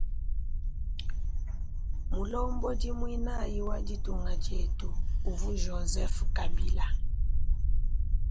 Mulombodi muinayi wa ditunga dietu uvu joseph kabila.